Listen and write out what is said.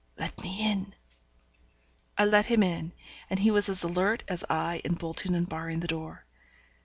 'Let me in.' I let him in, and he was as alert as I in bolting and barring the door.